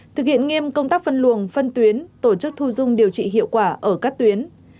thực hiện nghiêm công tác phân luồng phân tuyến tổ chức thu dung điều trị hiệu quả ở các tuyến